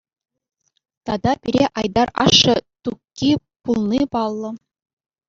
Тата пире Айтар ашшӗ Тукки пулни паллӑ.